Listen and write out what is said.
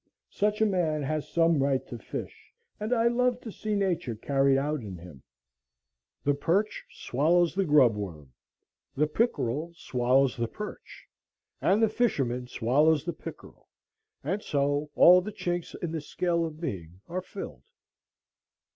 Such a man has some right to fish, and I love to see Nature carried out in him. The perch swallows the grub worm, the pickerel swallows the perch, and the fisher man swallows the pickerel; and so all the chinks in the scale of being are filled.